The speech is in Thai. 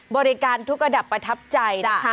บริการทุกระดับประทับใจนะคะ